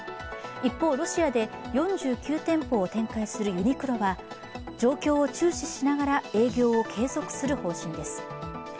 一方、ロシアで４９店舗を展開するユニクロは状況を注視しながら営業を継続する方針です。